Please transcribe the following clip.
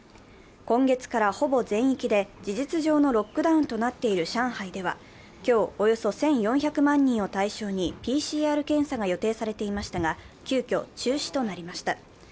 今月からほぼ全域で事実上のロックダウンとなっている上海では今日、およそ１４００万人を対象にＰＣＲ検査が予定されていましたが急きょ中止となりました。